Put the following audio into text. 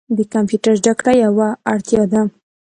د کمپیوټر زده کړه یوه اړتیا ده.